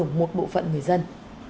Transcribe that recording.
ở một bộ phận người dân